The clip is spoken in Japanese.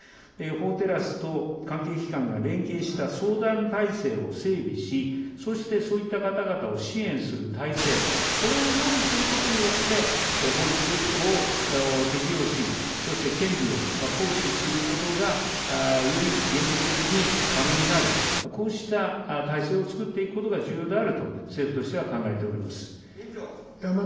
法テラスと関係機関が連携した相談体制を整備し、そしてそういった方々を支援する体制、これを用意することによって、法律を適用し、そして権利を行使することがより現実的に可能になる、こうした体制を作っていくことが重要であると政府としては考えて委員長。